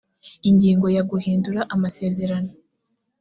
ingingo ya guhindura amasezerano